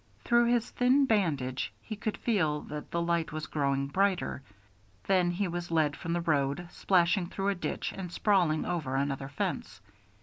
Through his thin bandage he could feel that the light was growing brighter. Then he was led from the road, splashing through a ditch and sprawling over another fence.